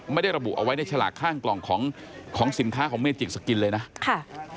ไม่ได้ระบุเอาไว้ในฉลากข้างกล่องของของสินค้าของเมจิกสกินเลยนะค่ะ